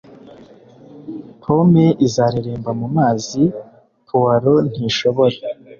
Pome izareremba mumazi, puwaro ntishobora.